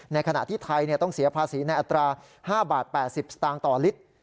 ขณะที่ไทยต้องเสียภาษีในอัตรา๕บาท๘๐สตางค์ต่อลิตร